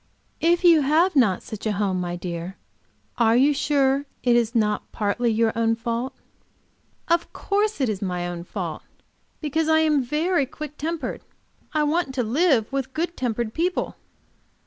"If you have not such a home, my dear, are you sure it is not partly your own fault?" "Of course it is my own fault. Because I am very quick tempered I want to live with good tempered people."